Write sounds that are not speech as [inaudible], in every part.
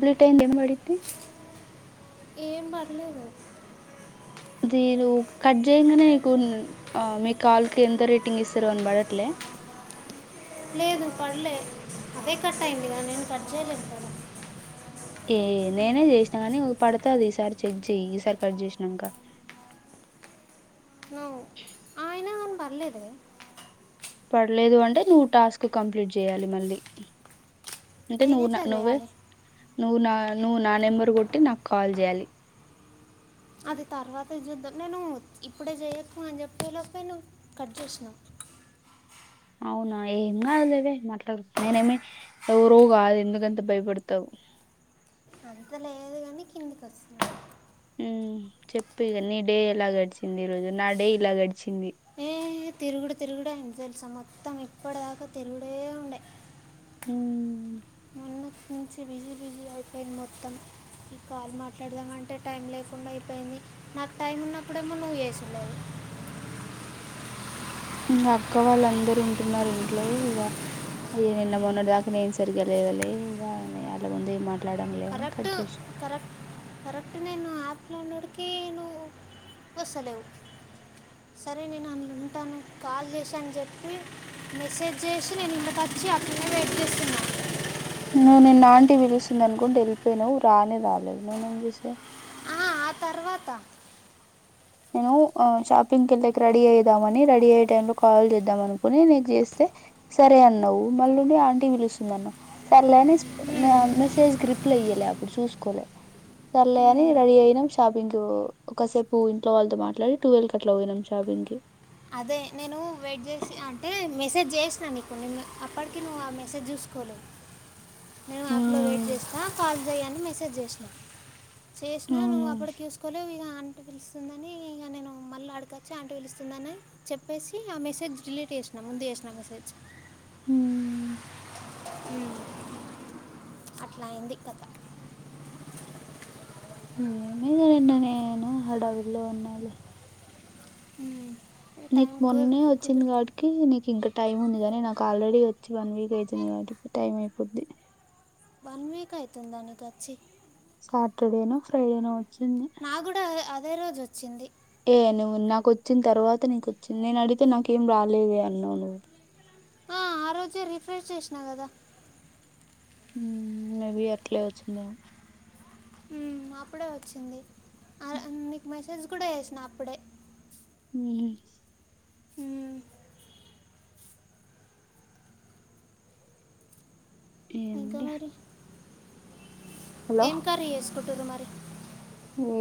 Break time కి ఏం పడిద్ది ఏం పర్లేదు దీరు కట్ చేయంగానే మీకు మీ కాల్ కి ఎంత రేటింగ్ ఇస్తారో అని పడట్లే లేదు పడలే అదే కట్ అయింది కదా నేను కట్ చేయలేదు ఏ నేనే చేసినా కాని పడతుది ఈసారి చెక్ చెయ్య ఈసారి కట్ చేసినాక ఓ అయినా కాని పర్లేదు పడలేదు అంటే నువ్వు టాస్క్ కంప్లీట్ చేయాలి మళ్ళీ అంటే నేను నాకు ఎట్లా నువ్వే చేయాలి నువ్వు నా నువ్వు నా నెంబర్ కొట్టి నాకు కాల్ చేయాలి అది తర్వాత చూద్దాం నేను ఇప్పుడే చేయకు అని చెప్పేలోపో ను కట్ చేసినావు అవునా ఏం కాలేవే మాట్లాడు నేనేమి ఎవరో కాదు ఎందుకంత భయపడతావు అంత లేదు కానీ కిందికి వస్తున్న హ చెప్పు ఇగ నీ డే ఎలా గడ్చింది ఇరోజ నా డే ఇలా గడిచి ఏ తిరుగుడు తిరుగుడు అంత తెలుసా మొత్తం ఇప్పటిదాకా తిరుగుడే ఉండే హ మొన్నటి నుంచి బిజీ బిజీ అయిపోయింది మొత్తం ఈ కాల్ మాట్లాడదామంటే టైం లేకుండా పోయింది నాకు టైం ఉన్నప్పుడేమో నువ్వు చేస్తాలే వ్ ఇంక అక్క వాళ్ళు అందరుూ ఉంటున్నారు ఇంట్లో ఇక ఈ నిన్న మొన్నటిదాకా నేను సరిగ్గా చేయలే పోలే ఇవే అయినయి ఆళ్ళ ముందు మాట్లాడలే కరెక్ట్ కరెక్ట్ కరెక్ట్ నేను ఆప్ అలా ఉన్నోడికి నువ్వు వస్తలేవు సరే నేను ఆన్లైన్ ఉంటాను కాల్ చేశా అని చెప్పి మెసేజ్ చేసి నేను ఇంతక నుంచి అట్లనే వెయిట్ చేస్తున్నా నువ్వు నిన్న ఆంటీ పిలుస్తుంది అనుకుంటా వెళ్ళిపోయినావు్ రానే రాలేదు నేనేం చేసేది మత నేను షాపింగ్కి వెళ్ళకి రెడీ అయిామని రెడీ అయ్యే టై లో కాల్ చేద్దాం అనుకుని నీకు చేస్తే సరే అన్నావ్ మళ్ళండి ఆంటీ పిలుస్తుందిన్నా్ సరలేని మెసేజ్ గ్రిప్ ఇయ్యలే అప్పుడు చూసుకోలే సర్లే అని ఉమ్, రెడీ అయినం షాపింగ్ ఒకకాసేపు వాళ్లతో మాట్లాడి టూ కట్ల పోయినం షాపింగ్ కి అదే నేను వెయిట్ చేసి అంటే మెసేజ్ చేసి నీకు అప్పటికి నువ్వు ఆ మెసేజ్ చూసుకోలే నేను అప్లోడ్ చేస్తా కాల్ చేయని మెసేజ్ చేసిన చేసినా నువ్వు అప్పుడుకిూసుకోలే ఇ అంట పిలుస్తుందని ఇక నేను మళ్ళీ ఆడకొచ్చి అంట పిలుస్తుందని చెప్పేసి ఆ మెసేజ్ డిలీట్ చేసినా ముందు చేసినా మెసేజ్ హ అట్లా అయింది కథ ఇగా ఏమో నేను నిన్న హడావిడిలో ఉనలే హ నీకు మొన్నే వచ్చింది కాబట్టి నీకు ఇంకా టైమ్ ఉంది కానీ నాకు ఆల్రెడీ వచ్చి వన్ వీక్ అయితుంది కాబట్టి టైం అయిపోద్ంది వన్ వీక్ అయితుందా నీకు వచ్చి సాటర్డేనో ఫ్రైడే నో నా కూడా అదే రోజు వచ్చింది ఏ నువ్వు నాకు వచ్చిన తర్వాత నీక వచ్చింది నేను అడిగితే నాకేం రాలేదు అన్నావు నువ్వు ఆ, ఆ రోజే రిఫ్రెష్ చేసినా కదా ఊ మే బి అట్లే వచ్చిందేమో ఊ అప్పుడే వచ్చింది ఆ రోజ్ నీకు మెసేజ్ కూడా చెసిన అప్పుడే ఊ ఊ ఇంకా ఏంటి మరి హలో ఏం కరి ఎసుకుటూరు మరి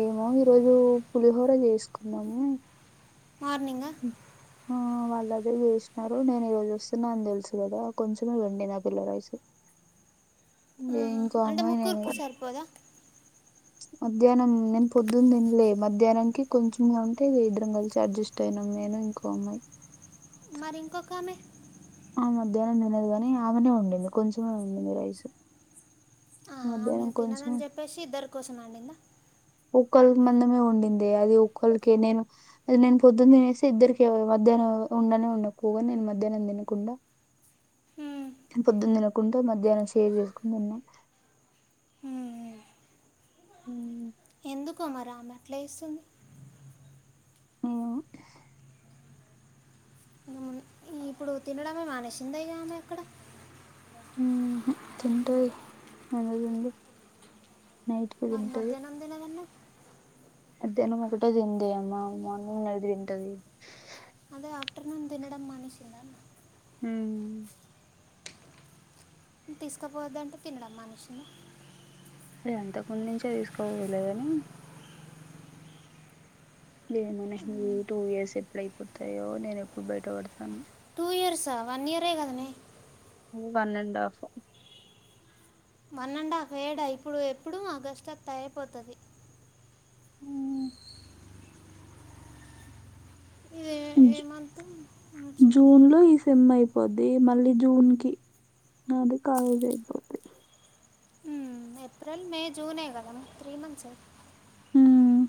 ఏమో ఈరోజు పులిహోర చేసుకున్నాము మార్నింగా ఉ ఆ వాల్ ఇల్ అదే చేసినారు నేను ఈ రోజు వస్తున్నా అని తెలుసు కదా కొంచమే వెండి నా పిల్ల రైసు దేంక్ ముకురుకి సర్పోదా మధ్యాహ్నం నేను పొద్దున్న తినలే మధ్యాహ్నానికి కొంచెంంగా ఉంటే ఇగ ఇద్దరం కలిసి అడ్జస్ట్ అయి ను నేను ఇంకో అమ్మాయి మరి ఇంకొక ఆమె ఆ మధ్యాహ్నం తినదు కాని ఆమెనే వండింది కొంచమే ఉండింది రైసు ఆహా, ఆమె తినదని చెప్పేసి ఇద్దరి కోసం అండిందా ఒక్కల్ మందమే వండిందే అది ఒక్కలకి నేను అది నేను పొద్దున్న తినేసి ఇద్దరికే మధ్యాహ్నం ఒ ఉండనే ఉండపో నేను మధ్యాహ్నం తినకుండా హ్మ్, నేన్ పొద్దున్ తినకుండ మధ్యాహ్నం షేర్ చేసుకుని తిన్న ఊ ఎందుకొ మరి మరామె అట్లా ఏస్తుంది ఉహు ఈ ఇప్పుడు తినడమే మానేసింద ఆమె ఎక్కడ ఊహు తింటది ఎందుకు తిందు మరి మధ్యాహ్నం తినదన్నవ్ మధ్యాహ్నం ఒకటే తిందే అమ మార్నింగ్ ఐతే తింటది అదే ఆఫ్టర్నూన్ తినడం మనేశిందామే ఊ తీసుకుపోవద్దంటే తినడం మనిషింద ఎంత ముందు నుంచే తీసుకోవలేగాని ఏమోనే ఈ టూ ఇయర్స్ ఎప్పుడయిపోతాయో నేను ఎప్పుడు బయటపడతానో టూ ఇయర్సా వన్ ఇయరే కదనే ఊ one and half one and half ఏడా ఇప్పుడు ఎప్పుడూ ఆగస్టతె అయేపోతది ఊ ఇది ఇ ఏ జు మంత్ మార్చ్ జూన్ లో ఈ సెమ్ అయిపో పోద్ది మళ్ళీ జూన్ కి నాది కాలేజ్ అయిపోద్ది ఊ ఏప్రిల్ మే జూనే కద త్రీ మంత్సే ఉమ్,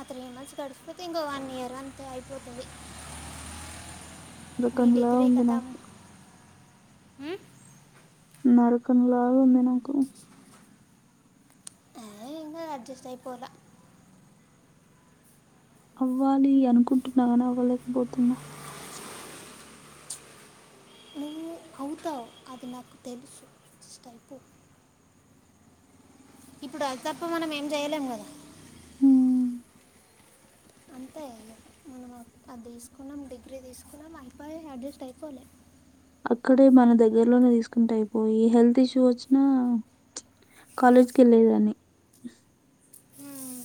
ఆ త్రీ మంత్స్ గడిసిపోతే ఇంకో వన్ ఇయర్ అంతే అయిపోతది రకంలా ఉంది నాకు ఉ నరకంలా ఉంది నాకు అది అడ్జస్ట్ అయిపోలా అవ్వాలి అనుకుంటున్న కని అవ్వలేకపోతున్నా నువ్వు అవుతావు అది నాకు తెలుసు స్టైపు ఇప్పుడు అది తప్ప మనం ఏం చేయలేం కదా ఉమ్, అంతే కదా ఇగ మనం అది తీసుకున్నాం డిగ్రీ తీసుకున్నాం అయిపయే అడ్జస్ట్ అయిపోలే ఇక్కడే మన దగ్గరలోనే తీసుకుంటే అయిపో ఏ హెల్త్ ఇష్యూ వచ్చినా కాలేజ్ కెళ్ళేదాన్ని హ్మ్మ్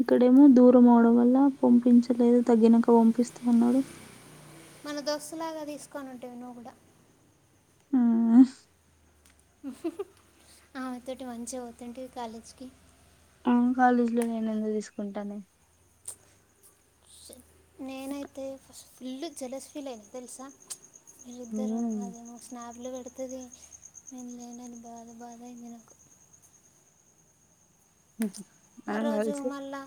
ఇక్కడేమో దూరం అవడం వల్ల పంపించలేదు తగ్గినక పంపిస్తా అన్నాడు మన దోస్తులాగా తీసుకొని ఉంటివి. నువ్వు కూడా ఆ ఆమెతోటి మంచిగా పోతుంటివి కాలేజ్కి ఆ కాలేజీ లో నేను ఎందు తీసుకుంటానే స- నేనైతే ఫస్ ఫుల్ జెలస్ ఫీల్ అయిన తెలుసా మీరిద్దరు మ్మ్. అదే మా స్నాప్ లో పె పడుతుంది నేను లేనని బాధ బాధ అయింది నాకు ఉహు ఆరోజు మల్లా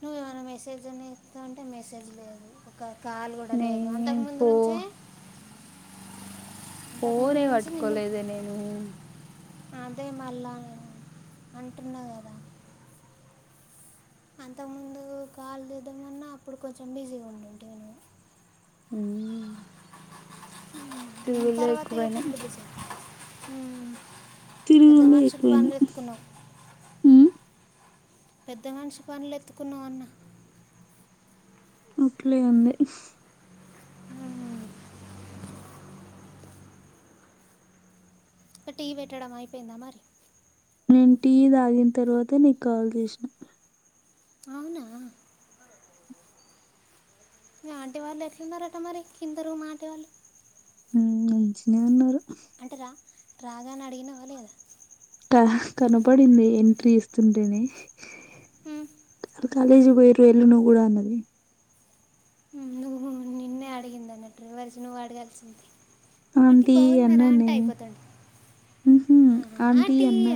నువ్వేమైనా మెసే జైన చేస్తవంటే మెసేజ్ లేదు ఒక కాలు కూడా లేదు. అంతకు నేను ముందు పో నుంచి? పోనే నుంచి నిన్ను పట్టుకోలేద నేను అదే మళ్ళా అంటన్నా గదా. అంతగ ముందు కాల్ చేద్దామన్నా అప్పుడు కొంచెం బిజీ ఉండుంటివే నువ్వు హ ఎక్కువైనాయి హ్మ్మ్ హ్మ్మ్ పెద్ద మనిషి పనులెత్తుకున్నవా అన్న? ఇట్లే ఉంది ఉమ్, ఒక టీ పెట్టడం అయిపోయిందా మరి? ఏంటి తాగిన తర్వాత నీకు కాల్ చేసిన అవునా ఆంటి వాళ్ళెట్లున్నారట మరి? కింద రూమ్ ఆంటి వాళ్ళు మంచిన అన్నారు అంటే రా రాగానే అడిగినవ లేదా? క కనపడింది ఎంట్రీ ఇస్తుండేనే హు కాలేజ్ పోయరు ఎల్న కూడా అన్నది నువ్వు నిన్నే అడిగిందన్నట్టు రివర్స్ నువ్వడగాల్సింది! ఆంటీ ఎన్న న ఆంటీ అన్న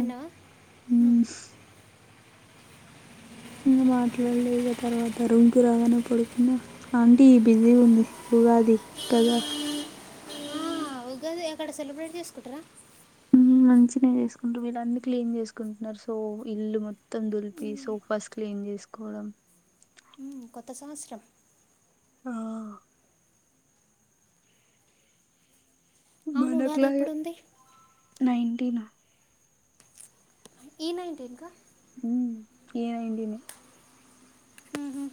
మాట్లాడలే ఇక తర్వాత రూమ్కిి రాగానే పడుకున్నా ఆంటీ బిజీ ఉంది ఉగాది కదా ఆ ఉగాది అక్కడ సెలబ్రేట్ చేసుకుంటరా? మ చేసుకుంటారు వీళ్ళు అన్ని క్లీన్ చేసుకుంటున్నారు సో ఇల్లు మొత్తం దులిపి సో ఫస్ట్ క్లీన్ చేసి స్కూ ఉమ్, కొత్త సంవత్సరం ఆ అవును ఉగాది మనక్లా ఎప్పుడుంది నైటీన్ ఈ నైన్టీన్కా ఉ ఏనైంటిని ఊహు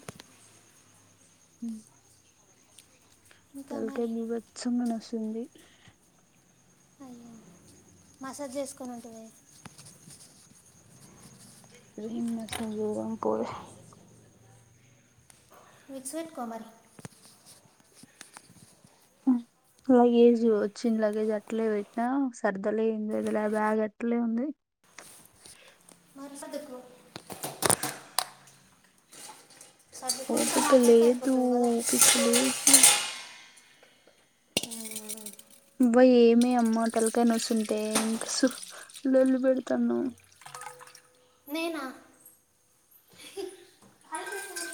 హ ఇంకా తలక మరి నిీవత్సంగా నస్తుంది అయ్యో మసాజ్ చేసుకొనంటివే! ఇద నా సిజగాం పోద విక్స్ పెట్టుకో మరి ఆ లగేజ్ వచ్చింది లగేజ్ అట్లే పెట్టినా, సర్దలే ఏంలేదు నా బ్యాగ్ అట్లే ఉంది. మర్సదుకు సర్దుకుంటూ మాట్లాడితే ఓపికలేదు అయిపోతుంది కదా ఓపికలేదు అబ్బ ఏమే అమ్మ తలకాయ నొస్తుంటే, ఇంకా సు లొల్లి పెడతాన్నవ్ నేనా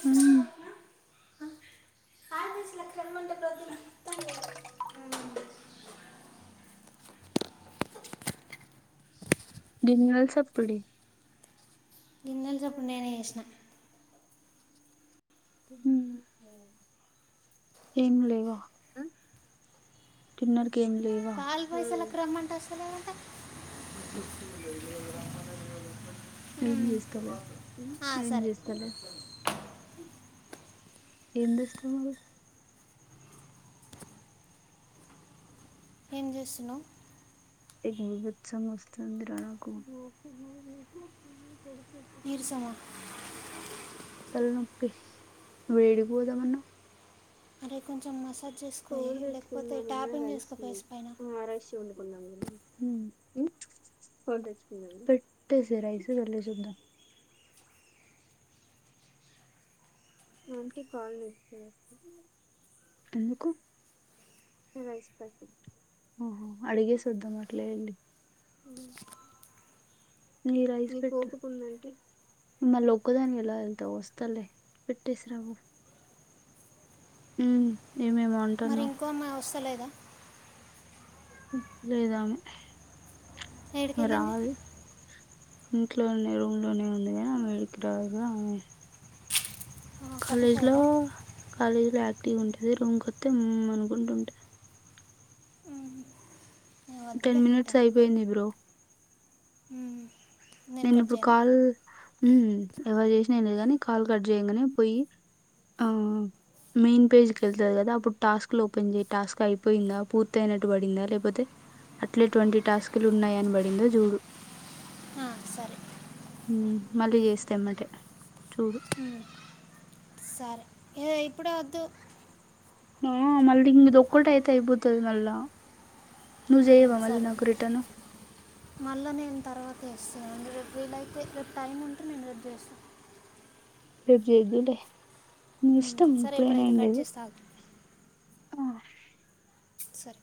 హనీ గిన్నెల సప్పుడి నిజం నేనే ఏసిన ఉమ్ ఏం లేవ తిన్నర్ ఇంకేం లేవ పాలు ఉమ్ పైసలకు రమ్మంటే అసలు ఏమంటే ఏం చేస్తలే ఏం సరే చేస్తలే ఏం దెస్తవ్ మరి ఏం జూస్తున్నవ్ ఏ నీరసం వస్తుంది నాకు నీరసం ఆ తలనొప్పి, నువ్ ఏడిపోదామన్నవ్? అరె కొంచం మసల్ ఓర్ తెచ్చుకుందాం నన్న రైస్ నీ ఫేస్ పైన ఆరై [unintelligible] వండుకున్నాం పెట్టేసేయ్ రైసు వెళ్లి చూద్దాం ఆంటి కాల్ లిఫ్ట్ చేయట్లే, ఎందుకు రైస్ పెట్టి ఓహో అడిగేసద్దాం అట్ల పెళ్లి. నీ రైసు [unintelligible] మళ్ళ ఒక్కదావెలా ఎల్తవ్, వస్తలే పెట్టసిరా ఉమ్ ఏమేమో మరి అంటున్నావు ఇంకో అమ్మాయి ఒస్తలేదా ఇప్ లేదామే ఎక్కడికి వెళ్ళింది రాదు. ఇంట్లోనే రూమ్ లోనే ఉంది గని, ఆమె ఎడికి రాదు ఆమె కట్ కాలేజ్ లో ఫైరా కాలేజ్ లో యాక్టివ్ ఉంటది, రూమ్ కొత్తే ఉమ్ అనుకుంటుంటది. వద్దులే టెన్ అట మినిట్స్ కానీ అయిపోయింది బ్రో. నేను కట్ ఇప్పుడు చేయాలా కాల్, ఉమ్ ఎవరు చేసినా ఏం లేదు గని కాల్ కట్ చెయ్యంగనే పోయి ఆ మెయిన్ పేజ్ కెళ్తది కదా అప్పుడు టాస్క్లు ఓపెన్ చేయ్, టాస్క్ అయిపోయిందా పూర్తి అయినట్టు పడిందా లేపోతే అట్లేటువంటి టాస్కులు ఉన్నాయనిబడిందో జూడు. ఆ సరే ఉమ్ మళ్ళీ చేస్తే ఎమ్మటే చూడు. ఉమ్, సరే ఇదే ఇప్పుడే వద్దు ఆ మళ్ళీ ఇంగ ఇదొక్కటి అయితే అయిపోతది మళ్ళా నుజేయవ మళ్ళీ నాకు రేటర్ను మళ్ళా నేను తర్వాత చేస్తా, రేపు వీలయితే రేపు టైం ఉంటే నేను రేపు చేస్త. రేపు జేద్దులే సరే ఇప్పుడైతే కట్ చేస్తా ఆగు ఆ సరే